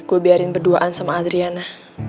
gue biarin berduaan sama adriana